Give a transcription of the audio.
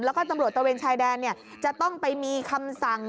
แล้วก็ตำรวจตะเวนชายแดนจะต้องไปมีคำสั่ง